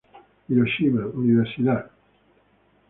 Hiroshima Univ., Ser.